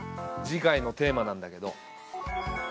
次回のテーマなんだけど。